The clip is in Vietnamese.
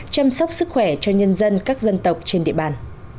chăm sóc sức khỏe cho nhân dân các dân tộc trên địa bàn